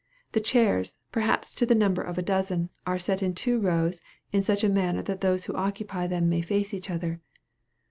The chairs, perhaps to the number of a dozen, are set in two rows, in such a manner that those who occupy them may face each other.